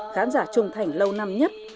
khán giả trung thành lâu năm nhất